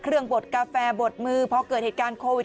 เครื่องบดกาแฟบดมือเพราะเกิดเหตุการณ์โควิด